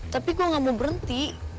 tapi gue gak mau berhenti